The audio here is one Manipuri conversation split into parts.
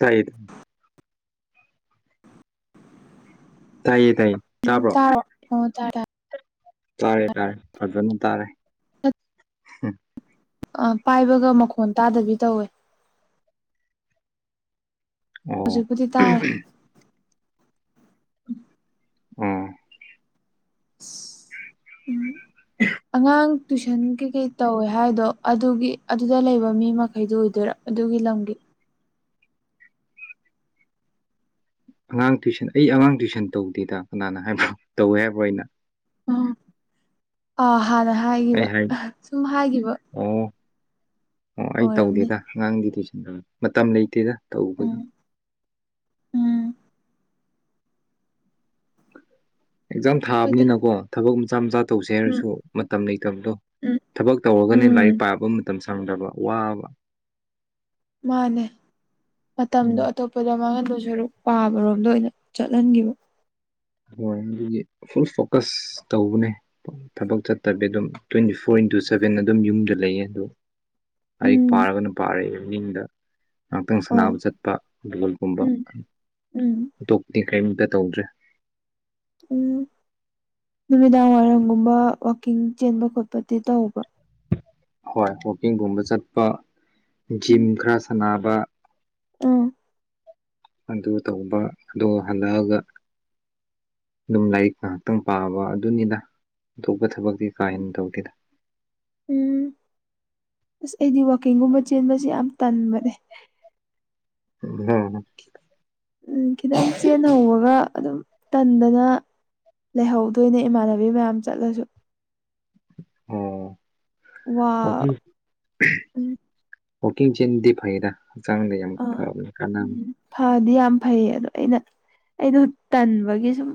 ꯀꯩꯗꯥ ꯇꯥꯏꯌꯦ ꯇꯥꯏꯌꯦ ꯇꯥꯕ꯭ꯔꯣ [unintelligible] ꯑꫭ ꯇꯥꯏ ꯇꯥꯏ ꯇꯥꯔꯦ ꯇꯥꯔꯦ ꯐꯖꯅ ꯇꯥꯔꯦ ꯑꯥ ꯄꯥꯏꯕꯒ ꯃꯈꯣꯟ ꯇꯥꯗꯕꯤ ꯇꯧꯋꯦ ꯑꯣ ꯍꯨꯖꯤꯛꯄꯨꯗꯤ ꯇꯥꯔꯦ ꯑꫭ ꯑꯁ ꯎꯝ ꯑꯉꯥꯡ ꯇꯨꯏꯁꯟ ꯀꯩꯀꯩ ꯇꯧꯋꯦ ꯍꯥꯏꯗꯣ ꯑꯗꯨꯒꯤ ꯑꯗꯨꯗ ꯂꯩꯕ ꯃꯤ ꯃꯈꯩꯗꯨꯣ ꯑꯣꯏꯗꯣꯏꯔꯥ ꯑꯗꯨꯒꯤ ꯂꯝꯒꯤ ꯑꯉꯥꯡ ꯇꯨꯏꯁꯟ ꯑꯩ ꯑꯉꯥꯡ ꯇꯨꯏꯁꯟ ꯇꯧꯗꯦꯗ ꯀꯅꯥꯅ ꯍꯥꯏꯕꯅꫭ ꯇꯧꯋꯦ ꯍꯥꯏꯕꯔꫭ ꯑꯩꯅ ꯑ ꯍꯥꯟꯅ ꯑꯩ ꯍꯥꯏꯈꯤꯕ ꯍꯥꯏ ꯁꯨꯝ ꯍꯥꯏꯈꯤꯕ ꯑꯣ ꯑꯣ ꯑꯩ ꯑꯣꯏꯔꯝꯅꯤ ꯇꯧꯗꯦꯗ ꯑꯉꯥꯡꯗꯤ ꯇꯨꯏꯁꯟ ꯃꯇꯝ ꯂꯩꯇꯦꯗ ꯇꯧꯕꯒꯤ ꯎꯝ ꯑꯦꯛꯖꯥꯝ ꯍꯣꯏꯗ ꯊꯥꯕꯅꯤꯅꯀꯣ ꯊꯕꯛ ꯃꯆꯥ ꯃꯆꯥ ꯇꯧꯁꯦ ꯎꯝ ꯍꯥꯏꯔꯁꯨ ꯃꯇꯝ ꯂꯩꯇꯗꯣ ꯎꯝ ꯊꯕꯛ ꯇꯧꯔꯒꯅꯦ ꯂꯥꯏꯔꯤꯛ ꯎꯝ ꯄꯥꯕ ꯃꯇꯝꯁꯦ ꯁꯪꯗꯕ ꯋꯥꯕ ꯃꯥꯅꯦ ꯃꯇꯝꯗꯣ ꯎꯝ ꯑꯇꯣꯞꯄꯗ ꯃꯉꯟꯗꯣ ꯁꯔꯨꯛ ꯄꯥꯕꯔꯣꯝꯗ ꯑꯣꯏꯅ ꯆꯠꯍꯟꯈꯤꯕ ꯍꯣꯏ ꯑꯗꯨꯒꯤ ꯐꯨꯜ ꯐꯣꯀꯁ ꯇꯧꯕꯅꯦ ꯊꯕꯛ ꯆꯠꯇꯕꯤ ꯑꯗꯨꯝ ꯇ꯭ꯋꯦꯟꯇꯤ ꯐꯣꯔ ꯏꯟꯇꯨ ꯁꯚꯦꯟ ꯑꯗꯨꯝ ꯌꯨꯝꯗ ꯂꯩꯌꯦ ꯑꯗꯣ ꯂꯥꯏꯔꯤꯛ ꯎꯝ ꯄꯥꯔꯒꯅ ꯄꯥꯔꯦ ꯏꯕꯤꯅꯤꯡꯗꯥ ꯉꯥꯏꯍꯥꯛꯇꯪ ꯑꯣ ꯁꯥꯟꯅꯕ ꯆꯠꯄ ꯕꯣꯜꯒꯨꯝꯕ ꯎꯝ ꯎꯝ ꯑꯇꯣꯞꯄꯗꯤ ꯀꯔꯤꯝꯇ ꯇꯧꯗ꯭ꯔꯦ ꯎꯝ ꯅꯨꯃꯤꯗꯥꯡ ꯋꯥꯏꯔꯝꯒꯨꯝꯕ ꯋꯥꯀꯤꯡ ꯆꯦꯟꯕ ꯈꯣꯠꯄꯗꯤ ꯇꯧꯕ꯭ꯔꫭ ꯍꯣꯏ ꯋꯀꯤꯡꯒꯨꯝꯕ ꯆꯠꯄ ꯖꯤꯝ ꯈꯔ ꯁꯥꯟꯅꯕ ꯑꯥ ꯑꯗꯨ ꯇꯧꯕ ꯑꯗꫭ ꯍꯜꯂꯛꯑꯒ ꯑꯗꯨꯝ ꯂꯥꯏꯔꯤꯛ ꯉꯥꯏꯍꯥꯛꯇꯪ ꯄꯥꯕ ꯑꯗꯨꯅꯤꯗ ꯑꯇꯣꯞꯄ ꯊꯕꯛꯇꯤ ꯀꯥ ꯍꯦꯟꯅ ꯇꯧꯗꯦꯗ ꯎꯝ ꯑꯁ ꯑꯩꯗꯤ ꯋꯥꯛꯀꯤꯡꯒꯨꯝꯕ ꯆꯦꯟꯕꯁꯦ ꯌꯥꯝ ꯇꯟꯕꯅꯦ [unintelligible] ꯎꯝ ꯈꯤꯇꯪ ꯆꯦꯟꯍꯧꯕꯒ ꯑꯗꯨꯝ ꯇꯟꯗꯅ ꯂꯩꯍꯧꯗꯣꯏꯅꯦ ꯏꯃꯥꯟꯅꯕꯤ ꯃꯌꯥꯝ ꯆꯠꯂꯁꯨ ꯑꯣ ꯋꯥ ꯋꯥꯛꯀꯤꯡ ꯎꯝ ꯋꯥꯛꯀꯤꯡ ꯆꯦꯟꯕꯗꯤ ꯐꯩꯗ ꯍꯛꯆꯥꯡꯗ ꯌꯥꯝ ꯑꯥ ꯐꯕꯅꯤ ꯀꯥꯟꯅꯕꯅꯤ ꯎꯝ ꯐꯗꯤ ꯌꯥꯝ ꯐꯩꯌꯦ ꯑꯗꯣ ꯑꯩꯅ ꯑꯩꯗꯣ ꯇꯟꯕꯒꯤ ꯁꯨꯝ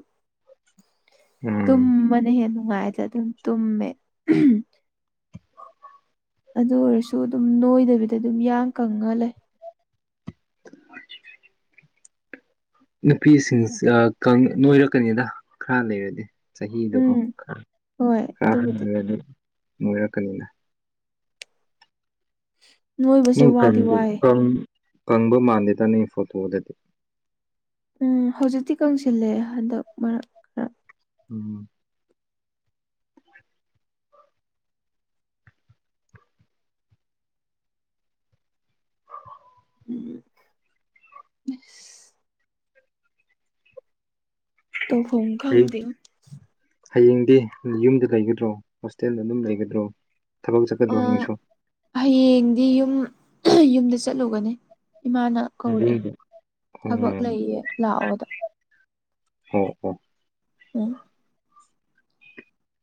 ꯎꯝ ꯇꯨꯝꯕꯅ ꯍꯦꯟꯅ ꯅꯨꯡꯉꯥꯏꯗꯥ ꯑꯗꯨꯝ ꯇꯨꯝꯃꯦ ꯑꯗꯨ ꯑꯣꯏꯔꯁꯨ ꯑꯗꯨꯝ ꯅꯣꯏꯗꯕꯤꯗ ꯑꯗꯨꯝ ꯌꯥꯡ ꯀꯪꯉꯥ ꯂꯩ [unintelligible] ꯅꯨꯄꯤꯁꯤꯡ ꯅꯣꯏꯔꯛꯀꯅꯤꯗ ꯈꯔ ꯂꯩꯔꯗꯤ ꯆꯍꯤꯗꯀꯣ ꯎꯝ ꯍꯣꯏ ꯈꯔ ꯑꯗꯨꯕꯨꯗꯤ ꯍꯅꯨꯔꯗꯤ ꯅꯣꯏꯔꯛꯀꯅꯤꯗ ꯅꯣꯏꯕꯁꯦ [unintelligible] ꯋꯥꯗꯤ ꯋꯥꯏꯌꯦ ꯀꯪ ꯀꯪꯕ ꯃꯥꯟꯗꯦꯗ ꯅꯪꯒꯤ ꯐꯣꯇꯣꯗꯗꯤ ꯎꯝ ꯍꯧꯖꯤꯛꯇꯤ ꯀꯪꯁꯤꯜꯂꯦ ꯍꯟꯗꯛ ꯃꯔꯛ ꯈꯔ ꯎꯝ ꯎꯝ ꯇꯧꯐꯝ ꯈꯪꯗꯦ ꯍꯌꯦꯡꯗꯤ ꯌꯨꯝꯗ ꯂꯩꯒꯗ꯭ꯔꯣ, ꯍꯣꯁꯇꯦꯜꯗ ꯑꯗꯨꯝ ꯂꯩꯒꯗ꯭ꯔꯣ? ꯊꯕꯛ ꯆꯠꯀꯗ꯭ꯔꯣ ꯑꯥ ꯍꯌꯦꯡꯁꯨ꯫ ꯍꯌꯦꯡꯗꯤ ꯌꯨꯝ ꯌꯨꯝꯗ ꯆꯠꯂꯨꯒꯅꯤ ꯏꯃꯥꯅ, ꯀꯧꯔꯛꯑꯦ ꯌꯨꯝꯗ ꯊꯕꯛ ꯑꯣ ꯂꯩꯌꯦ ꯂꯥꯛꯑꯣꯗ꯫ ꯑꯣ ꯑꯣ ꯎꯝ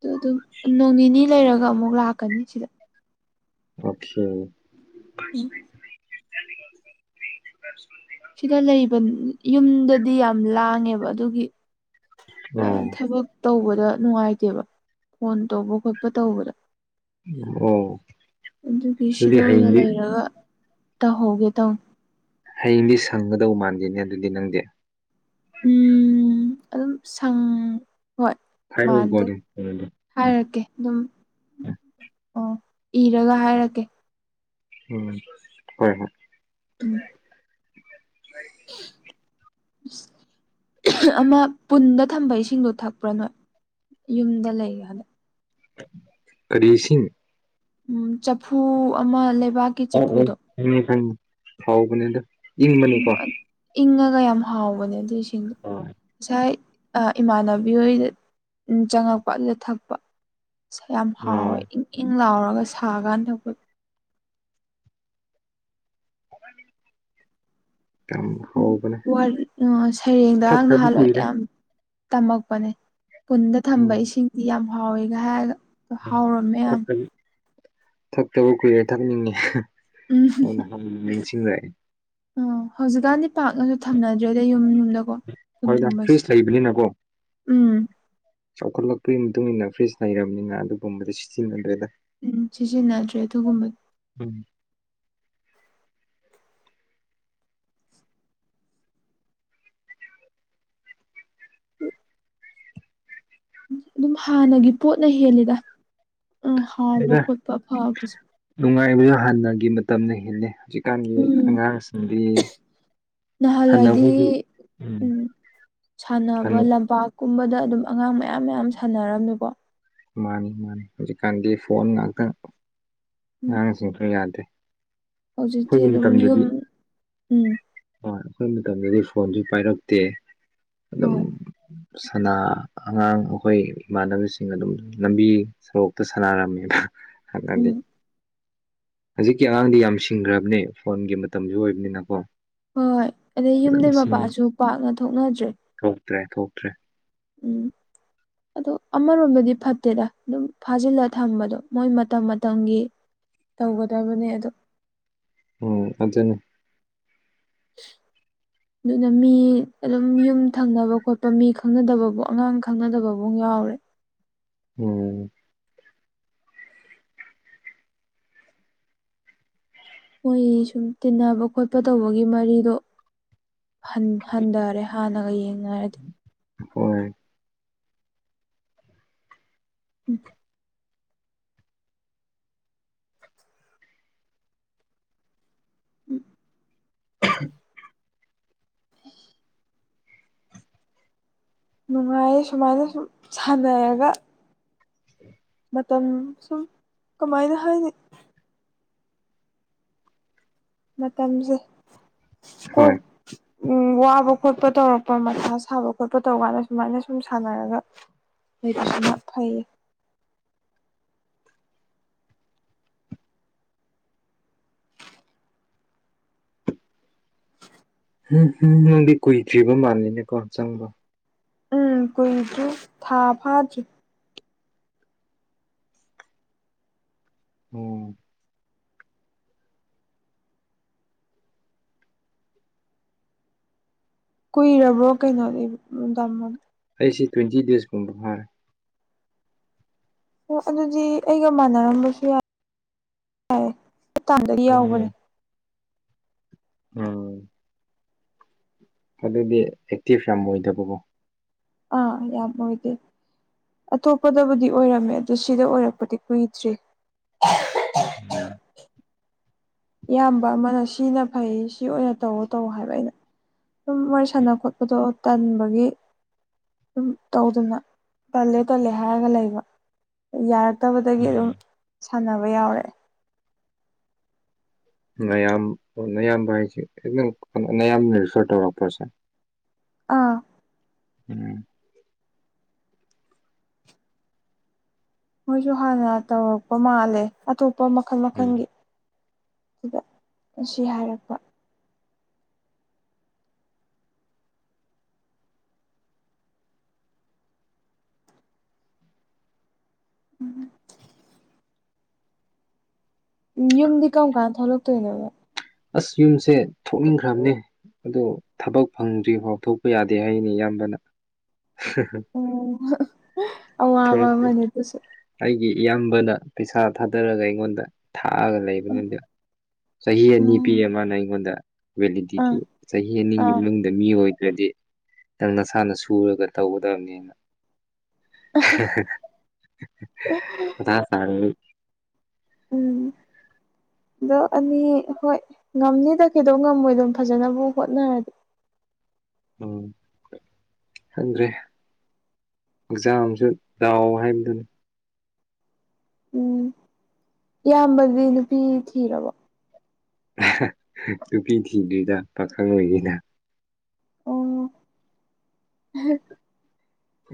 ꯗꯨ ꯗꯨꯝ ꯅꯣꯡ ꯅꯤꯅꯤ ꯂꯩꯔꯒ ꯑꯃꯨꯛ ꯂꯥꯛꯀꯅꯤ ꯁꯤꯗ꯫ ꯑꯣꯈꯦ꯫ ꯎꯝ [unintelligible] ꯁꯤꯗ ꯂꯩꯕ ꯌꯨꯝꯗꯗꯤ ꯌꯥꯝ ꯂꯥꯡꯉꯦꯕ ꯑꯗꯨꯒꯤ, ꯑꯣ ꯊꯕꯛ ꯇꯧꯕꯗ ꯅꯨꯡꯉꯥꯏꯇꯦꯕ ꯐꯣꯟ ꯇꯧꯕ ꯈꯣꯠꯄ ꯇꯧꯕꯗ꯫ ꯑꯣ ꯑꯗꯨꯒꯤ ꯑꯗꯨꯗꯤ ꯁꯤꯗ ꯑꯣꯏꯅ ꯍꯌꯦꯡꯗꯤ ꯂꯩꯔꯒ, ꯇꯧꯍꯧꯒꯦ ꯇꯧ ꯍꯌꯦꯡꯗꯤ ꯁꯪꯒꯗꯧ ꯃꯥꯟꯗꯦꯅꯦ ꯑꯗꯨꯗꯤ ꯅꯪꯗꯤ꯫ ꯎꯝ ꯑꯗꯨꯝ ꯁꯪ ꯍꯣꯏ ꯍꯥꯏꯔꯛꯎꯀꯣ ꯃꯥꯟꯗꯦ꯫ ꯑꯗꯨꯝ ꯀꯩꯅꯣꯗꯣ ꯍꯥꯏꯔꯛꯀꯦ ꯑꯗꯨꯝ ꯑꯣ ꯏꯔꯒ ꯍꯥꯏꯔꯛꯀꯦ꯫ ꯎꯝ ꯍꯣꯏ ꯍꯣꯏ ꯎꯝ [unintelligible] ꯑꯃ ꯄꯨꯟꯗ ꯊꯝꯕ ꯏꯁꯤꯡꯗꯣ ꯊꯛꯄ꯭ꯔꯥ ꯅꯣꯏ꯫ ꯌꯨꯝꯗ ꯂꯩ ꯍꯟꯗꯛ꯫ ꯀꯔꯤ ꯏꯁꯤꯡ? ꯎꯝ ꯆꯐꯨ ꯑꯃ ꯂꯩꯕꯥꯛ ꯑꯣ ꯑꯣ ꯈꯪꯉꯦ ꯈꯪꯉꯦ ꯍꯥꯎꯕꯅꯦ ꯑꯗꯨ ꯎꯝ ꯏꯪꯕꯅꯤꯀꯣ꯫ ꯏꯪꯉꯒ ꯌꯥꯝ ꯍꯥꯎꯕꯅꯦ ꯑꯗꯨ ꯏꯁꯤꯡꯗꯣ ꯑꯣ ꯉꯁꯥꯏ, ꯑ ꯏꯃꯥꯟꯅꯕꯤ ꯍꯣꯏꯗ ꯆꯪꯉꯛꯄ ꯑꯗꯨꯗ ꯊꯛꯄ꯫ ꯌꯥꯝ ꯍꯥꯎꯋꯦ ꯏꯪ ꯏꯪ ꯂꯥꯎꯔꯒ ꯁꯥꯀꯥꯟꯗ ꯊꯛꯄꯗꯣ꯫ [unintelligible] ꯌꯥꯝ ꯎꯝ ꯍꯥꯎꯕꯅꯦ ꯋꯥꯔꯤ ꯁꯩꯔꯦꯡꯗꯥ ꯊꯛꯇꯕ ꯅꯍꯥꯟꯋꯥꯏ ꯀꯨꯏꯔꯦ ꯌꯥꯝ [unintelligible] ꯇꯝꯃꯛꯄꯅꯦ ꯄꯨꯟꯗ ꯊꯝꯕ ꯎꯝ ꯏꯁꯤꯡꯗꯤ ꯌꯥꯝ ꯍꯥꯎꯋ‌ꯦꯒ ꯍꯥꯏꯔꯒ ꯑ ꯍꯥꯎꯔꯝꯃꯦ ꯌꯥꯝ꯫ ꯊꯛꯇꯕ ꯊꯛꯇꯕ ꯀꯨꯏꯔꯦ ꯊꯛꯅꯤꯡꯉꯦ ꯎꯝ ꯅꯤꯡꯁꯤꯡꯔꯛꯑꯦ꯫ ꯑꯣ ꯍꯧꯖꯤꯛꯀꯥꯟꯗꯤ ꯄꯥꯛꯅꯁꯨ ꯊꯝꯅꯗ꯭ꯔꯦꯗ ꯌꯨꯝ ꯌꯨꯝꯗ꯫ ꯍꯣꯏꯗ ꯐ꯭ꯔꯤꯖ ꯂꯩꯕꯅꯤꯅꯀꯣ꯫ ꯎꯝ ꯆꯥꯎꯈꯠꯂꯛꯄꯒꯤ ꯃꯇꯨꯡ ꯏꯟꯅ ꯐ꯭ꯔꯤꯖ ꯂꯩꯩꯔꯕꯅꯤꯅ ꯑꯗꯨꯒꯨꯝꯕꯗꯤ ꯁꯤꯖꯤꯟꯅꯗ꯭ꯔꯦꯗ꯫ ꯎꯝ ꯁꯤꯖꯤꯟꯅꯗ꯭ꯔꯦ ꯑꯗꯨꯒꯨꯝꯕ꯫ ꯎꯝ ꯑꯗꯨꯝ ꯍꯥꯟꯅꯒꯤ ꯄꯣꯠꯅ ꯍꯦꯜꯂꯤꯗ ꯍꯥꯎꯕ ꯈꯣꯠꯄ ꯐꯕꯁꯦ꯫ ꯅꯨꯡꯉꯥꯏꯕꯖꯨ ꯍꯥꯟꯅꯒꯤ ꯃꯇꯝꯅ ꯍꯦꯜꯂꯦ ꯍꯧꯖꯤꯛꯀꯥꯟꯒꯤ ꯑꯉꯥꯡꯁꯤꯡꯗꯤ, ꯍꯟꯅ ꯅꯍꯥꯜꯋꯥꯏꯗꯤ ꯑꯩꯈꯣꯏꯒꯤ ꯎꯝ ꯁꯥꯟꯅꯕ ꯀꯩꯅꯣ ꯂꯝꯄꯥꯛ, ꯀꯨꯝꯕꯗ ꯑꯗꯨꯝ ꯑꯉꯥꯡ ꯃꯌꯥꯝ ꯃꯌꯥꯝ ꯁꯥꯟꯅꯔꯝꯃꯦꯀꯣ꯫ ꯃꯥꯅꯤ ꯃꯥꯅꯤ ꯍꯧꯖꯤꯛꯀꯥꯟꯗꯤ ꯐꯣꯟ ꯉꯥꯛꯇ ꯎꯝ ꯑꯉꯥꯡꯁꯤꯡꯁꯨ ꯌꯥꯗꯦ꯫ ꯍꯧꯖꯤꯛꯇꯤ ꯑꯩꯈꯣꯏꯒꯤ ꯑꯗꯨꯝ ꯌꯨꯝ ꯃꯇꯝꯗꯗꯤ ꯎꯝ꯫ ꯍꯣꯏ ꯑꯩꯈꯣꯏ ꯃꯇꯝꯗꯗꯤ ꯐꯣꯟꯖꯨ ꯄꯥꯏꯔꯛꯇꯦ ꯑꯗꯨꯝ, ꯍꯣꯏ ꯁꯅꯥ ꯑꯉꯥꯡ ꯑꯩꯈꯣꯏ ꯏꯃꯥꯟꯅꯕꯁꯤꯡ ꯑꯗꯨꯝ ꯂꯝꯕꯤ, ꯁꯣꯔꯣꯛꯇꯨ ꯁꯥꯟꯅꯔꯝꯃꯦꯕ ꯍꯟꯗꯛꯗꯤ꯫ ꯎꯝ ꯍꯧꯖꯤꯛꯀꯤ ꯑꯉꯥꯡꯗꯤ ꯌꯥꯝ ꯁꯤꯡꯈ꯭ꯔꯕꯅꯦ ꯐꯣꯟꯒꯤ ꯃꯇꯝꯁꯨ ꯑꯣꯏꯕꯅꯤꯅꯀꯣ꯫ ꯍꯣꯏ ꯑꯗꯩ ꯌꯨꯝꯗꯩ ꯐꯖꯅ ꯁꯤꯡꯉꯤ ꯃꯄꯥꯟꯁꯨ ꯄꯥꯛꯅ ꯊꯣꯛꯅꯗ꯭ꯔꯦ꯫ ꯊꯣꯛꯇ꯭ꯔꯦ ꯊꯣꯛꯇ꯭ꯔꯦ ꯎꯝ ꯑꯗꯣ ꯑꯃꯔꯣꯝꯗꯗꯤ ꯐꯠꯇꯦꯗ ꯑꯗꯨꯝ ꯐꯥꯖꯤꯜꯂ ꯊꯝꯕꯗꯣ ꯃꯣꯏ ꯃꯇꯝ ꯃꯇꯝꯒꯤ ꯇꯧꯒꯗꯕꯅꯦ ꯑꯗꯣ ꯎꯝ ꯑꯗꯨꯅꯤ [unintelligible] ꯑꯗꯨꯅ ꯃꯤ ꯑꯗꯨꯝ ꯌꯨꯝ ꯊꯪꯅꯕ ꯈꯣꯠꯄ ꯃꯤ ꯈꯪꯅꯗꯕꯕꯨ ꯑꯉꯥꯡ ꯈꯪꯅꯗꯕꯕꯨ ꯌꯥꯎꯔꯦ ꯎꯝ ꯃꯣꯏ ꯁꯨꯝ ꯇꯤꯟꯅꯕ ꯈꯣꯠꯄ ꯇꯧꯕꯒꯤ ꯃꯔꯤꯗꯣ ꯍꯟ ꯍꯟꯗꯔꯦ ꯍꯥꯟꯅꯒ ꯌꯦꯡꯅꯔꯗꯤ ꯍꯣꯏ ꯎꯝ ꯎꯝ [unintelligible] ꯅꯨꯡꯉꯥꯏꯌꯦ ꯁꯨꯃꯥꯏꯅ ꯁꯨꯝ ꯁꯥꯟꯅꯔꯒ ꯃꯇꯝ ꯁꯨꯝ ꯀꯃꯥꯏꯅ ꯍꯥꯏꯅꯤ ꯃꯇꯝꯖꯦ ꯀꯣꯛ ꯍꯣꯏ ꯎꯝ ꯋꯥꯕ ꯈꯣꯠꯄ ꯇꯧꯔꯛꯄ ꯃꯊꯥ ꯁꯥꯕ ꯈꯣꯠꯄ ꯇꯧꯀꯥꯟꯗ ꯁꯨꯃꯥꯏꯅ ꯁꯨꯝ ꯁꯥꯟꯅꯔꯒ [unintelligible] ꯐꯩ ꯎꯝ ꯍꯝ ꯅꯪꯗꯤ ꯀꯨꯏꯗ꯭ꯔꯤꯕ ꯃꯥꯜꯂꯤꯅꯦꯀꯣ ꯆꯪꯕ ꯎꯝ ꯀꯨꯏꯗ꯭ꯔꯤ ꯊꯥ ꯐꯥꯗꯔꯤ ꯎꯝ ꯀꯨꯏꯔꯕ꯭ꯔꯣ ꯀꯩꯅꯣꯒꯤ [unintelligible] ꯑꯩꯁꯤ ꯇ꯭ꯋꯦꯟꯇꯤ ꯗꯦꯖꯀꯨꯝꯕ ꯐꯥꯔꯦ ꯑꯣ ꯑꯗꯨꯗꯤ ꯑꯩꯒ ꯃꯥꯟꯅꯔꯝꯕꯁꯨ ꯌꯥꯏ ꯌꯥꯔꯦ [unintelligible] ꯌꯥꯎꯕꯅꯦ ꯑ ꯑꯗꯨꯗꯤ ꯑꯦꯛꯇꯤꯞ ꯌꯥꯝ ꯑꯣꯏꯗꯕꯒꯣ ꯑꯥ ꯌꯥꯝ ꯇꯦ [unintelligible] ꯑꯇꯣꯞꯄꯗꯒꯗꯤ ꯑꯣꯏꯔꯝꯃꯦ ꯑꯗꯨ ꯁꯤꯗ ꯑꯣꯏꯔꯛꯄꯗꯤ ꯀꯨꯏꯗ꯭ꯔꯤ ꯎꯝ ꯏꯌꯥꯝꯕ ꯑꯃꯅ ꯁꯤꯅ ꯐꯩ ꯁꯤ ꯑꯣꯏꯅ ꯇꯧꯋ‌ꯣ ꯇꯧ ꯍꯥꯏꯕ ꯑꯩꯅ ꯗꯨꯝ ꯋꯥꯔꯤ ꯁꯥꯟꯅ ꯈꯣꯠꯄꯗꯣ ꯇꯟꯕꯒꯤ ꯁꯨꯝ ꯇꯧꯗꯅ ꯇꯜꯂꯦ ꯇꯜꯂꯦ ꯍꯥꯏꯔꯒ ꯂꯩꯕ ꯌꯥꯔꯛꯇꯕꯗꯒꯤ ꯑꯗꯨꯝ ꯁꯥꯟꯅꯕ ꯌꯥꯎꯔꯦ ꯃꯌꯥꯝ ꯑꯌꯥꯝꯕ ꯍꯥꯏꯁꯤꯦꯝ ꯑꯌꯥꯝꯕ ꯔꯤꯐꯔ ꯇꯧꯔꯛꯄꯁꯦ ꯑꯥ [unintelligible] ꯃꯣꯏꯁꯨ ꯍꯥꯟꯅ ꯇꯧꯔꯛꯄ ꯃꯥꯜꯂꯦ ꯑꯇꯣꯞꯄ ꯃꯈꯜ ꯃꯈꯜꯒꯤ ꯁꯤꯗ ꯑꯁꯤ ꯍꯥꯏꯔꯛꯄ [unintelligible] ꯎꯝ ꯌꯨꯝꯗꯤ ꯀꯔꯝ ꯀꯥꯟ ꯊꯣꯛꯂꯛꯇꯣꯏꯅꯣꯕ ꯑꯁ ꯌꯨꯝꯁꯦ ꯊꯣꯛꯅꯤꯡꯈ꯭ꯔꯕꯅꯦ ꯑꯗꯨ ꯊꯕꯛ ꯐꯪꯗ꯭ꯔꯤꯐꯥꯎ ꯊꯣꯛꯄ ꯌꯥꯗꯦ ꯍꯥꯏꯅꯤ ꯏꯌꯥꯝꯕꯅ ꯑꯣ ꯑꯋꯥꯕ ꯊꯣꯛꯂꯛꯇꯦ. ꯑꯃꯅꯤꯅꯦ ꯑꯗꯨꯁꯨ ꯑꯩꯒꯤ ꯏꯌꯥꯝꯕꯅ ꯄꯩꯁꯥ ꯊꯥꯗꯔꯒ ꯑꯩꯉꯣꯟꯗ ꯊꯥꯛꯑꯒ ꯂꯩꯕ ꯅꯗ ꯆꯍꯤ ꯑꯅꯤ ꯄꯤ ꯎꯝ ꯑꯃꯅ ꯑꯩꯉꯣꯟꯗ ꯂꯗꯗꯤ ꯑꯥ ꯆꯍꯤ ꯑꯥ ꯑꯗ ꯃꯤ ꯑꯣꯏꯗ꯭ꯔꯗꯤ ꯈꯤꯇꯪ ꯅꯁꯥꯅ ꯁꯨꯔꯒ ꯇꯧꯒꯗꯕꯅꯦꯅ ꯑꯗꯥ ꯆꯥꯡ ꯎꯝ ꯑꯗꯣ ꯑꯅꯤ ꯍꯣꯏ ꯉꯝꯅꯤꯗ ꯀꯩꯗꯧ ꯉꯝꯃꯣꯏꯗꯣꯏꯟ ꯐꯖꯅꯕꯕꯨ ꯍꯣꯠꯅꯔꯗꯤ ꯎꯝ ꯈꯪꯗ꯭ꯔꯦ ꯑꯦꯛꯖꯥꯝꯁꯨ ꯂꯥꯎ ꯍꯥꯏꯕꯗꯨꯅꯤ ꯎꯝ ꯏꯌꯥꯝꯕꯗꯤ ꯅꯨꯄꯤ ꯊꯤꯔꯕꯣ ꯅꯨꯄꯤ ꯊꯤꯗꯔ꯭ꯤꯗ ꯄꯥꯈꯪ ꯂꯩꯔꯤꯗ ꯑꯣ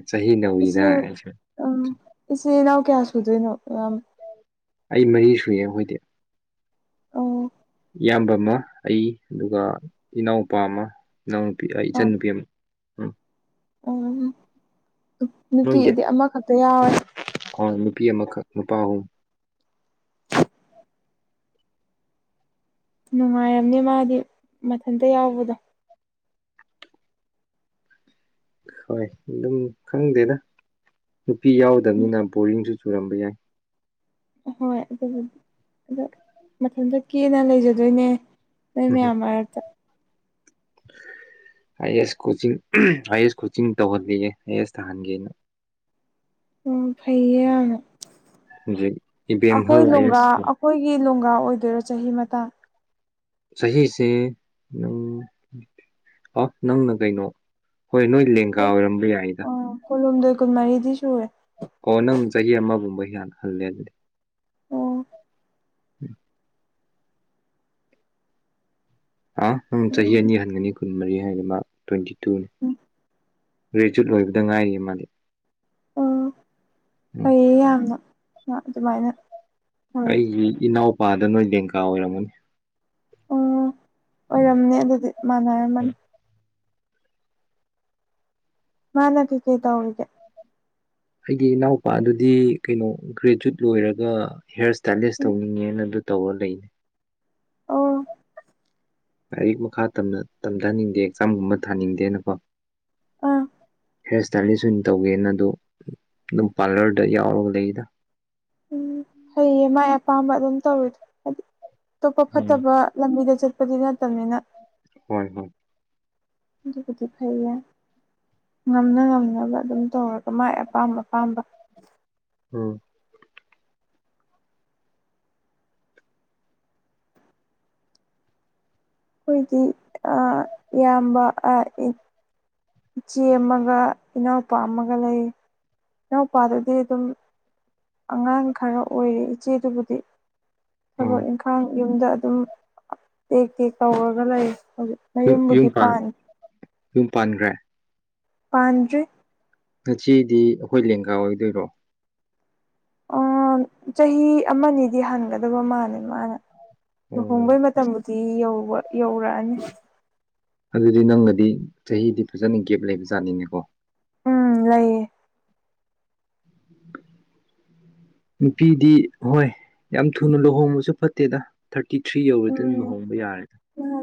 ꯆꯍꯤ ꯅꯧꯋꯤꯗ ꯑꯩꯁꯨ ꯎꯝ ꯏꯆꯤꯟ ꯏꯅꯥꯎ ꯀꯌꯥ ꯁꯨꯗꯣꯏꯅꯣ ꯏꯌꯝ ꯑꯩ ꯃꯔꯤ ꯁꯨꯏꯌꯦ ꯍꯣꯏꯗꯤ ꯑꯣ ꯏꯌꯥꯝꯕ ꯑꯃ ꯑꯩ ꯑꯗꯨꯒ ꯏꯅꯥꯎꯄꯥ ꯑꯃ ꯏꯅꯥꯎꯅꯨꯄꯤ ꯑꯩ ꯏꯆꯟꯅꯨꯄꯤ ꯑꯃ ꯎꯝ ꯑꯣ ꯅꯨꯄꯤ ꯑꯩꯗꯤ ꯑꯃꯈꯛꯇ ꯌꯥꯎꯔꯦ ꯑꯣ ꯅꯨꯄꯤ ꯑꯃꯈꯥꯛ ꯅꯨꯄꯥ ꯑꯍꯨꯝ ꯅꯨꯡꯉꯥꯏꯔꯝꯅꯤ ꯃꯥꯗꯤ ꯃꯊꯟꯇ ꯌꯥꯎꯕꯗꯣ ꯍꯣꯏ ꯑꯗꯨꯝ ꯈꯪꯗꯦꯗ ꯅꯨꯄꯤ ꯎꯝ ꯌꯥꯎꯗꯃꯤꯅ ꯕꯣꯔꯤꯡꯁꯨ ꯆꯨꯔꯝꯕ ꯌꯥꯏ ꯍꯣꯏ ꯑꯗꯨꯕꯨꯗꯤ ꯑꯗꯣ ꯃꯊꯟꯇ ꯀꯦꯅ ꯂꯩꯖꯗꯣꯏꯅꯦ ꯅꯣꯏ ꯎꯝ ꯃꯌꯥꯝ ꯃꯔꯛꯇ ꯑꯏꯌꯦꯁ ꯀꯣꯆꯤꯡ ꯑꯏꯌꯦꯁ ꯀꯣꯆꯤꯡ ꯇꯧꯍꯜꯂꯤꯌꯦ ꯑꯏꯌꯦꯁ ꯊꯥꯍꯟꯒꯦꯅ ꯑꯣ ꯐꯩꯌꯦ ꯌꯥꯝꯅꯥ ꯍꯧꯖꯤꯛ ꯏꯕꯦꯝꯍꯜ ꯑꯏꯌꯦꯁꯇꯣ ꯑꯩꯈꯣꯏꯒꯤ ꯂꯣꯡꯒꯥ ꯑꯣꯏꯗꯣꯏꯔꯣ ꯆꯍꯤ ꯃꯇꯥꯡ ꯆꯍꯤꯁꯦ ꯑꯗꯨꯝ ꯑ ꯅꯪꯅ ꯀꯩꯅꯣ ꯍꯣꯏ ꯅꯣꯏ ꯂꯦꯡꯒꯥ ꯑꯣꯏꯔꯝꯕ ꯌꯥꯏꯗ ꯀꯨꯜꯍꯨꯝꯗꯣꯏ ꯀꯨꯟꯃꯔꯤꯗꯤ ꯁꯨꯔꯦ ꯑꯣ ꯅꯪ ꯆꯍꯤ ꯑꯃꯒꯨꯝꯕ ꯍꯅ ꯍꯜꯂꯦ ꯑꯗꯨꯗꯤ ꯑꯣ [unintelligible] ꯑ ꯅꯪ ꯆꯍꯤ ꯑꯅꯤ ꯍꯟꯒꯅꯤ ꯀꯨꯟ ꯃꯔꯤ ꯍꯥꯏꯗꯤ ꯃꯥ ꯇ꯭ꯋꯦꯟꯇꯤ ꯇꯨꯅꯤ ꯒ꯭ꯔꯦꯖꯨꯏꯠ ꯂꯣꯏꯕꯗ ꯉꯥꯏꯔꯤꯌꯦ ꯃꯥꯗꯤ ꯑꯣ ꯐꯩꯌꯦ [unintelligible] ꯌꯥꯝꯅ ꯑꯗꯨꯃꯥꯏꯅ ꯇꯧꯔꯤꯗꯣ ꯑꯩꯒꯤ ꯏꯅꯥꯎꯄꯥꯗ ꯅꯣꯏ ꯂꯦꯡꯀꯥ ꯑꯣꯏꯔꯝꯃꯅꯤ ꯎꯝ ꯑꯣꯏꯔꯝꯃꯅꯤ ꯑꯗꯨꯗꯤ ꯃꯥꯟꯅꯔꯝꯃꯅꯤ ꯃꯥꯅ ꯀꯩꯀꯩ ꯇꯧꯔꯤꯒꯦ ꯑꯩꯒꯤ ꯏꯅꯥꯎꯄꯥ ꯑꯗꯨꯗꯤ ꯀꯩꯅꯣ ꯒ꯭ꯔꯦꯖꯨꯋꯠ ꯂꯣꯏꯔꯒ ꯍꯦꯌꯔ ꯁ꯭ꯇꯥꯏꯂꯤꯁ ꯇꯧꯅꯤꯡꯉꯦꯅ ꯑꯗꯨ ꯇꯧꯔꯥ ꯂꯩ ꯑꯣ ꯂꯥꯏꯔꯤꯛ ꯃꯈꯥ ꯇꯝꯊꯅꯤꯡꯗꯦ ꯑꯦꯛꯖꯥꯝꯒꯨꯝꯕ ꯊꯥꯅꯤꯡꯗꯦꯅꯀꯣ ꯑ ꯍꯤꯌꯔ ꯏꯁ꯭ꯇꯥꯏꯂꯤꯁ ꯑꯣꯏꯅ ꯇꯧꯒꯦꯅ ꯑꯗꯨ ꯑꯗꯨꯝ ꯄꯥꯔꯂꯔꯗ ꯌꯥꯎꯔꯒ ꯂꯩꯗ ꯎꯝ ꯐꯩꯌꯦ ꯃꯥꯏ ꯑꯄꯥꯝꯕ ꯑꯗꯨꯝ ꯇꯧꯔꯤꯗꯣ ꯐꯩ ꯑꯇꯣꯞꯄ ꯎꯝ ꯐꯠꯇꯕ ꯂꯝꯕꯤꯗ ꯆꯠ ꯄꯗꯤ ꯅꯠꯇꯝꯅꯤꯅ ꯍꯣꯏ ꯍꯣꯏ ꯑꯗꯨꯕꯨꯗꯤ ꯐꯩ ꯉꯝꯅ ꯉꯝꯅꯕ ꯑꯗꯨꯝ ꯇꯧꯔꯒ ꯃꯥꯏ ꯑꯄꯥꯝ ꯑꯄꯥꯝꯕ ꯎꯝ ꯑꯩꯈꯣꯏꯗꯤ ꯑ ꯏꯌꯥꯝꯕ ꯑ ꯏ ꯏꯆꯦ ꯑꯃꯒ ꯏꯅꯥꯎꯄꯥ ꯑꯃꯒ ꯂꯩ ꯏꯅꯥꯎꯄꯥꯗꯨꯗꯤ ꯗꯨꯝ ꯑꯉꯥꯡ ꯈꯔ ꯑꯣꯏꯔꯤ ꯏꯆꯦꯗꯨꯕꯨꯗꯤ ꯑꯣ ꯊꯕꯛ ꯏꯪꯈꯥꯡ ꯌꯨꯝꯗ ꯑꯗꯨꯝ ꯇꯦꯛ ꯇꯦꯛ ꯇꯧꯔꯒ ꯂꯩ ꯍꯧꯖꯤꯛ ꯌꯨꯝ ꯌꯨꯝ ꯃꯌꯨꯝꯕꯨꯗꯤ ꯄꯟ ꯄꯥꯟ ꯌꯨꯝ ꯄꯥꯟꯈ꯭ꯔꯦ ꯄꯥꯟꯗꯔꯤ ꯉꯁꯤꯗꯤ ꯑꯩꯈꯣꯏ ꯂꯦꯡꯒꯥ ꯑꯣꯏꯗꯣꯏꯔꯣ ꯑ ꯆꯍꯤ ꯑꯃꯅꯤꯗꯤ ꯍꯟꯒꯗꯕ ꯃꯥꯜꯂꯦꯃꯥꯅ ꯑꯣ ꯂꯨꯍꯣꯡꯕꯩ ꯃꯇꯝꯕꯨꯗꯤ ꯌ ꯌꯧꯔꯛꯑꯅꯤ ꯑꯗꯨꯗꯤ ꯅꯪꯒꯗꯤ ꯆꯍꯤꯗꯤ ꯐꯖꯅ ꯒꯦꯞ ꯂꯩꯕꯖꯥꯠꯅꯤꯅꯦꯀꯣ ꯎꯝ ꯂꯩꯌꯦ ꯅꯨꯄꯤꯗꯤ ꯍꯣꯏ ꯌꯥꯝ ꯊꯨꯅ ꯂꯨꯍꯣꯡꯕꯁꯨ ꯐꯠꯇꯦꯗ ꯊꯥꯔꯇꯤ ꯊ꯭ꯔꯤ ꯌꯧꯔꯗꯤ ꯎꯝ ꯂꯨꯍꯣꯡꯕ ꯌꯥꯔꯦ